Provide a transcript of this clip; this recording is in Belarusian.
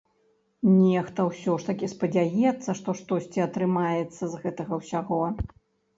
Нехта ўсё ж такі спадзяецца, што штосьці атрымаецца з гэтага ўсяго.